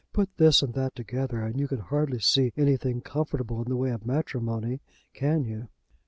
Put this and that together, and you can hardly see anything comfortable in the way of matrimony, can you?"